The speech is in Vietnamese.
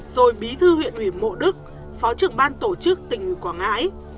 rồi bí thư huyện huyện mộ đức phó trưởng ban tổ chức tỉnh quảng ngãi